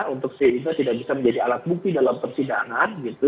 untuk sehingga tidak bisa menjadi alat bukti dalam persidangan